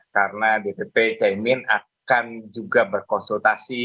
karena dpp caimin akan juga berkonsultasi